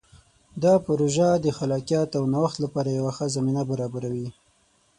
دا پروژه د خلاقیت او نوښت لپاره یوه ښه زمینه برابروي.